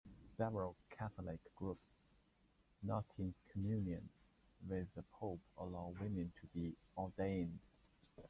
Several Catholic groups not in communion with the Pope allow women to be ordained.